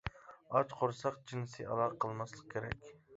ئاچ قورساق جىنسىي ئالاقە قىلماسلىق كېرەك.